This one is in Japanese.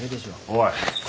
おい。